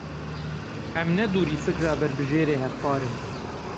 Em ne dûrî fikra berbijêrê hevpar in.